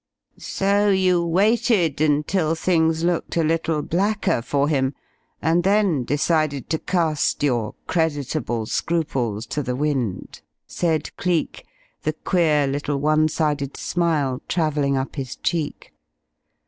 "So you waited until things looked a little blacker for him, and then decided to cast your creditable scruples to the wind?" said Cleek, the queer little one sided smile travelling up his cheek.